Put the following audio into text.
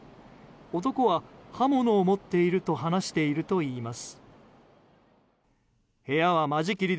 男は刃物を持っていると話しているといいます。